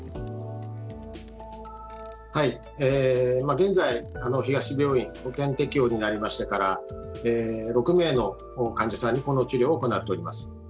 現在東病院保険適用になりましてから６名の患者さんにこの治療を行っております。